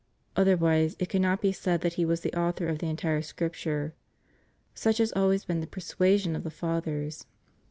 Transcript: Otherwise, it could not be said that He was the Author of the entire Scripture. Such has always been the persuasion of the Fathers.